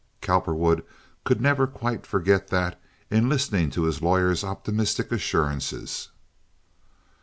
Cowperwood could never quite forget that in listening to his lawyer's optimistic assurances.